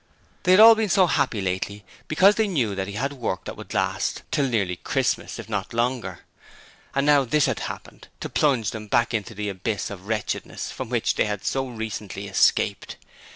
They had all been so happy lately because they knew that he had work that would last till nearly Christmas if not longer. And now this had happened to plunge them back into the abyss of wretchedness from which they had so recently escaped.